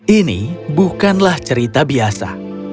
ini bukanlah cerita biasa